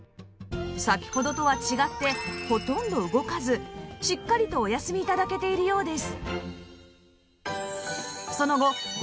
先ほどとは違ってほとんど動かずしっかりとお休み頂けているようです